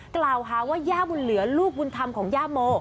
กล่าวหาว่าย่าบุญเหลือลูกบุญธรรมของย่าโม